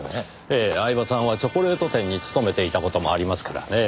ええ饗庭さんはチョコレート店に勤めていた事もありますからねぇ。